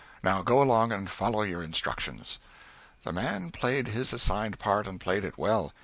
Now go along and follow your instructions." The man played his assigned part, and played it well.